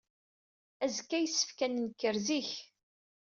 Azekka, yessefk ad nenker zik.